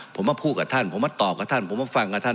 ผมมาพูดกับท่านผมมาตอบกับท่านผมมาฟังกับท่าน